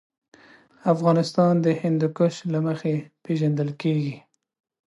افغانستان د هندوکش له مخې پېژندل کېږي.